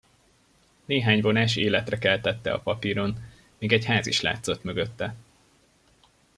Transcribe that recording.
Néhány vonás életre keltette a papíron, még egy ház is látszott mögötte.